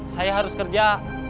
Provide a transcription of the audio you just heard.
saya harus kerja